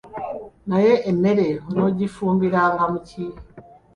Naye emmere onoogifumbiranga mu ki?